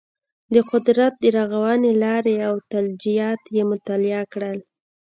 د قدرت د رغونې لارې او تجلیات یې مطالعه کړل.